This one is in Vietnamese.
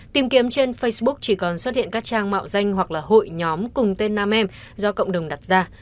tìm kiếm trên facebook chỉ còn xuất hiện các trang mạo danh hoặc là hội nhóm cùng tên nam em do cộng đồng đặt ra